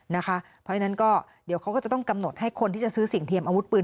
เพราะฉะนั้นก็เดี๋ยวเขาก็จะต้องกำหนดให้คนที่จะซื้อสิ่งเทียมอาวุธปืน